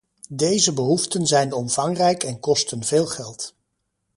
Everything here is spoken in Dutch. Deze behoeften zijn omvangrijk en kosten veel geld.